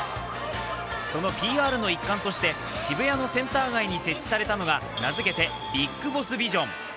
そのＰＲの一環として渋谷のセンター街に設置されたのが名づけてビッグボスビジョン。